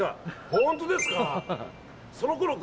本当ですか。